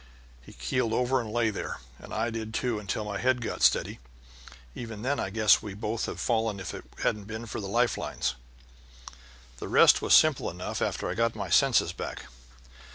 He keeled over and lay there, and I did, too, until my head got steady. Even then I guess we'd both have fallen if it hadn't been for the life lines. "The rest was simple enough after I got my senses back.